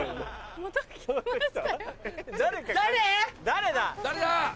誰だ？